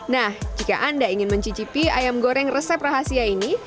nah jika anda ingin mencicipi ayam goreng ini